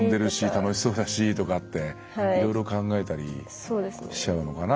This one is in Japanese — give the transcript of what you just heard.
楽しそうだしとかいろいろ考えたりしちゃうのかな。